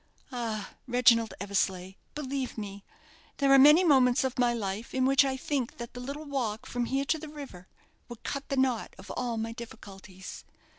Ah, Reginald Eversleigh, believe me there are many moments of my life in which I think that the little walk from here to the river would cut the knot of all my difficulties.